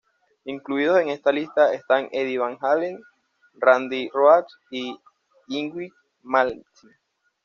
Incluidos en esta lista están Eddie Van Halen, Randy Rhoads e Yngwie Malmsteen.